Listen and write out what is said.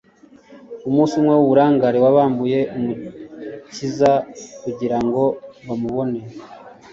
Umunsi umwe w'uburangare wabambuye Umukiza; kugira ngo bamubone,